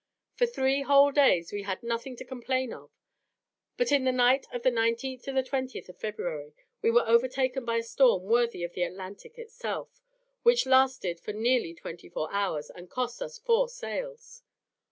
For three whole days we had nothing to complain of; but in the night of the 19th to the 20th of February, we were overtaken by a storm worthy of the Atlantic itself, which lasted for nearly twenty four hours, and cost us four sails.